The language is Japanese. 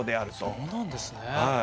そうなんですね。